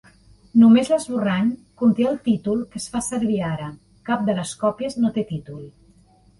Només l'esborrany conté el títol que es fa servir ara; cap de les còpies no té títol.